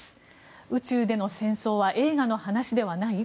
宇宙での戦争は映画の話ではない？